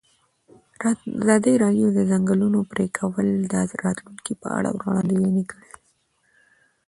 ازادي راډیو د د ځنګلونو پرېکول د راتلونکې په اړه وړاندوینې کړې.